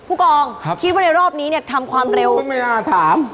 ผู้กองคิดว่าในรอบนี้ทำความเร็วอุ๊ยไม่น่าถาม